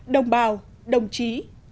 đồng bào đồng chí